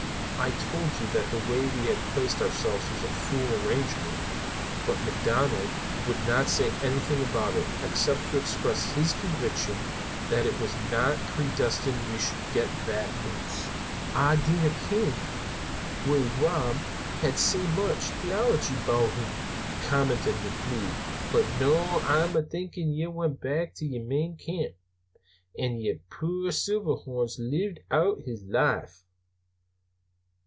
I told you that the way we had placed ourselves was a fool arrangement. But McDonald would not say anything about it, except to express his conviction that it was not predestinated we should get that moose." "Ah dinna ken ould Rob had sae much theology aboot him," commented McLeod. "But noo I'm thinkin' ye went back to yer main camp, an' lat puir Seelverhorrns live oot his life?"